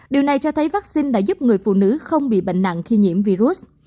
điều này cho thấy vaccine đã giúp người phụ nữ không bị bệnh nặng khi nhiễm virus